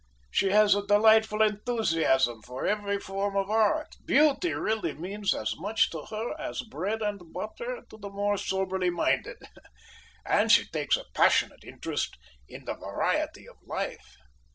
She has a delightful enthusiasm for every form of art. Beauty really means as much to her as bread and butter to the more soberly minded. And she takes a passionate interest in the variety of life."